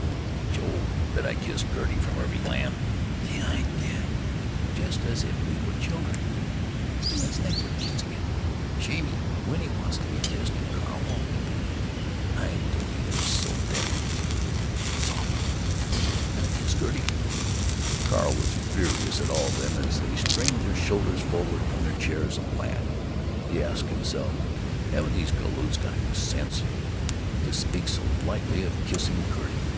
"Oh, Jo oe, bet I kiss Gertie!" from Irving Lamb. "The idea!" "Just as if we were children——" "He must think we're kids again——" "Shamey! Winnie wants to be kissed, and Carl won't——" "I don't, either, so there——" "I think it's awful." "Bet I kiss Gertie——" Carl was furious at all of them as they strained their shoulders forward from their chairs and laughed. He asked himself, "Haven't these galoots got any sense?" To speak so lightly of kissing Gertie!